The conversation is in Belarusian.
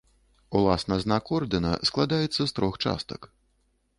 Уласна знак ордэна складаецца з трох частак.